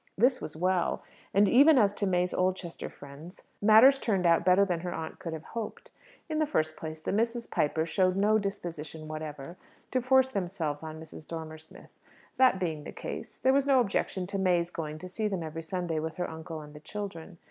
This was well. And even as to May's Oldchester friends matters turned out better than her aunt could have hoped. In the first place, the Misses Piper showed no disposition whatever to force themselves on Mrs. Dormer Smith. That being the case, there was no objection to May's going to see them every Sunday with her uncle and the children.